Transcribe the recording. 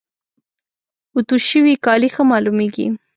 اوتو شوي کالي ښه معلوميږي.